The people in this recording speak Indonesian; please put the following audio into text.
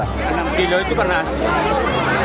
anak anak itu pernah hasil